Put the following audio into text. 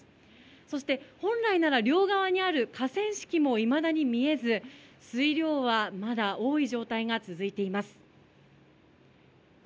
そして本来なら両側にある河川敷もいまだに見えず、水量はまだ多い状態が続いています。